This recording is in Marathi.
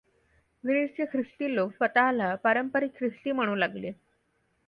ग्रीसचे ख्रिस्ती लोक स्वता ला पारंपारिक ख्रिस्ती म्हणू लागले.